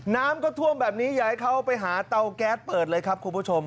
น้ำก็ท่วมแบบนี้อย่าให้เขาไปหาเตาแก๊สเปิดเลยครับคุณผู้ชม